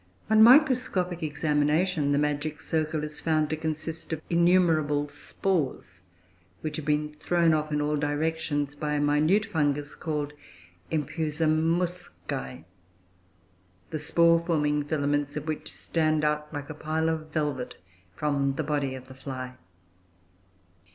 On microscopic examination, the magic circle is found to consist of innumerable spores, which have been thrown off in all directions by a minute fungus called Empusa muscoe, the spore forming filaments of which stand out like a pile of velvet from the body of the fly.